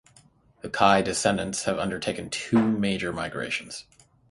The Cai descendants have undertaken two major migrations.